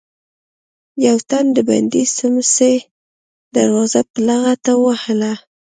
يو تن د بندې سمڅې دروازه په لغته ووهله.